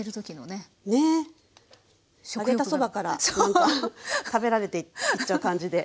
ねえ揚げたそばから食べられていっちゃう感じで。